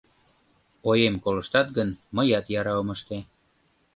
Оем колыштат гын, мыят яра ом ыште.